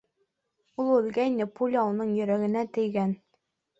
Ул үлгәйне, пуля уның йөрәгенә тейгән.